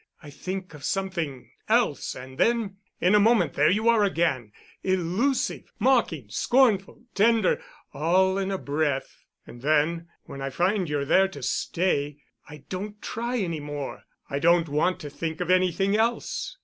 I think of something else, and then, in a moment, there you are again—elusive, mocking, scornful, tender, all in a breath. And then, when I find you're there to stay, I don't try any more. I don't want to think of anything else."